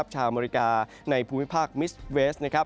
ชาวอเมริกาในภูมิภาคมิสเวส